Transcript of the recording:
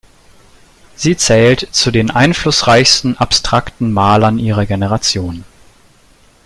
Sie zählt zu den einflussreichsten abstrakten Malern ihrer Generation.